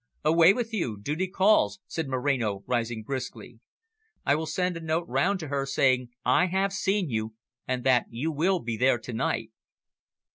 "Away with you, duty calls," said Moreno, rising briskly. "I will send a note round to her saying I have seen you, and that you will be there to night."